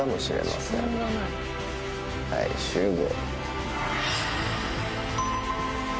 はい集合。